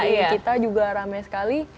iya kita juga ramai sekali